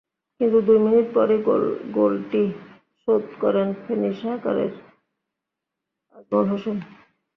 কিন্তু দুই মিনিট পরই গোলটি শোধ করেন ফেনী সকারের আজমল হোসেন।